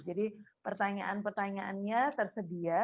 jadi pertanyaan pertanyaannya tersedia